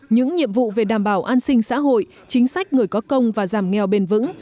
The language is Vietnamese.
những nhiệm vụ về đảm bảo an sinh xã hội chính sách người có công và giảm nghèo bền vững